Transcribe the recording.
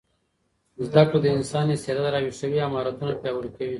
زده کړه د انسان استعداد راویښوي او مهارتونه پیاوړي کوي.